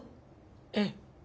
ええ。